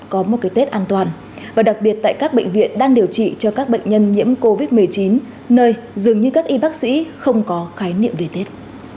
có một cái tết an toàn và đặc biệt tại các bệnh viện đang điều trị cho các bệnh nhân nhiễm covid một mươi chín nơi dường như các y bác sĩ không có khái niệm về tết